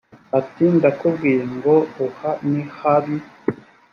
ati ndakubwiye ngo uha nihabi